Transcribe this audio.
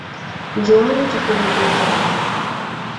Njooni tupumzike